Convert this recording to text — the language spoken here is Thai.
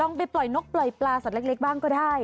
ไปปล่อยนกปล่อยปลาสัตว์เล็กบ้างก็ได้